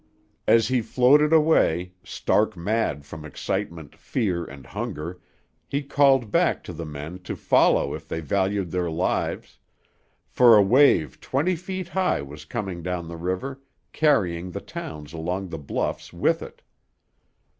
As he floated away, stark mad from excitement, fear, and hunger, he called back to the men to follow if they valued their lives; for a wave twenty feet high was coming down the river, carrying the towns along the bluffs with it.